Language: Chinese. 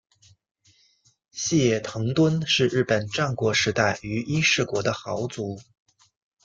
细野藤敦是日本战国时代于伊势国的豪族。